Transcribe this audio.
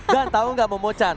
gan tahu gak momo chan